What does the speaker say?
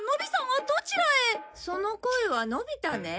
その声はのび太ね。